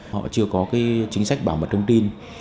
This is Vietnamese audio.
họ chưa có chính sách bảo mật thông tin